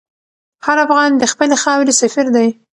هر افغان د خپلې خاورې سفیر دی.